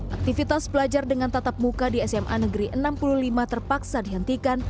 aktivitas belajar dengan tatap muka di sma negeri enam puluh lima terpaksa dihentikan